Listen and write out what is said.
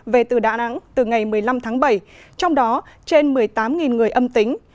về từ đà nẵng từ ngày một mươi năm tháng bảy trong đó trên một mươi tám người âm tính